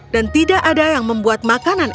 dan tidak ada yang membuat makanannya